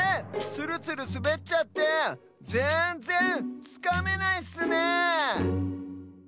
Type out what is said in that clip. ツルツルすべっちゃってぜんぜんつかめないッスねえ。